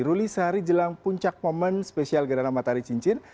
ruli sehari jelang puncak momen spesial gerhana matahari cincin